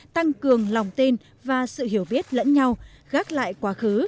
tăng cường lòng tin và sự hiểu biết lẫn nhau gác lại quá khứ